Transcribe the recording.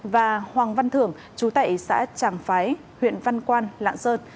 và hoàng văn thưởng chú tại xã tràng phái huyện văn quan lạng sơn